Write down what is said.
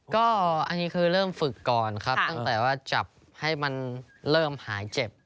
ก็อันนี้คือเริ่มฝึกก่อนครับตั้งแต่ว่าจับให้มันเริ่มหายเจ็บ